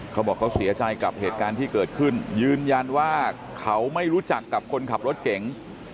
เขาบอกเขาเสียใจกับเหตุการณ์ที่เกิดขึ้นยืนยันว่าเขาไม่รู้จักกับคนขับรถเก๋ง